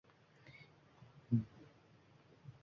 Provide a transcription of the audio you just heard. Mayingina chimirilgan qoshlardagi